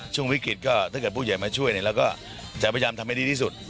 ช่วงวิกฤตก็ถ้าเกิดผู้ใหญ่มาช่วยเราก็จะพยายามทำให้ดีที่สุด